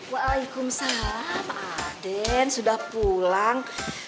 waalaikumsalam aden sudah pulang